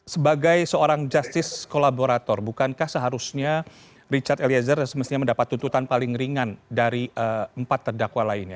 sebagai seorang justice kolaborator bukankah seharusnya richard eliezer semestinya mendapat tuntutan paling ringan dari empat terdakwa lainnya